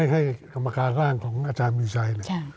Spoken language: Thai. ให้กรรมการร่างของอาจารย์มีชัย